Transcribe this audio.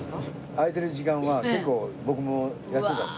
空いてる時間は結構僕もやってたの。